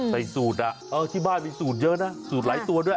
ใส่สูตรที่บ้านมีสูตรเยอะนะสูตรหลายตัวด้วย